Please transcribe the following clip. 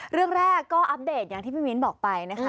เรื่องแรกก็อัปเดตอย่างที่พี่มิ้นบอกไปนะคะ